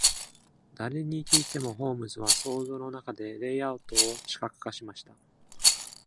誰に聞いても、ホームズは想像の中でレイアウトを視覚化しました。